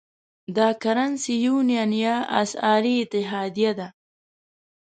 دا Currency Union یا اسعاري اتحادیه ده.